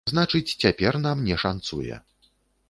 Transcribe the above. Значыць, цяпер нам не шанцуе.